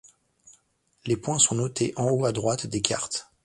Les points sont notés en haut à droite des cartes.